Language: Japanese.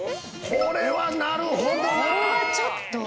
これはなるほどな。